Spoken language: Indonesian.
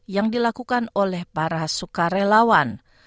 yang dilakukan oleh para sukarelawan